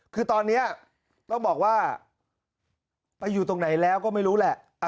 คือตอนนี้ต้องบอกว่าไปอยู่ตรงไหนแล้วก็ไม่รู้แหละ